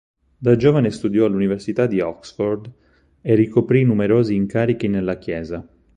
Da giovane studiò all'Università di Oxford e ricoprì numerosi incarichi nella chiesa.